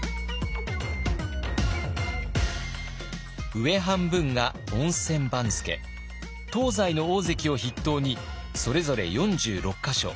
上半分が温泉番付東西の大関を筆頭にそれぞれ４６か所。